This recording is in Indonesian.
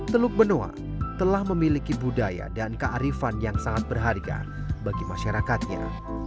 teluk benoa telah memiliki budaya dan kearifan yang sangat berharga bagi masyarakatnya